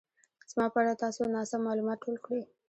زما په اړه تاسو ناسم مالومات ټول کړي